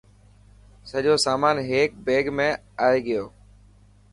سڄو سامان هيڪي بيگ ۾ آي گيو.